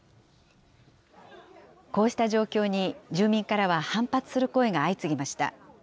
こうした状況に住民からは反発する声が相次ぎました。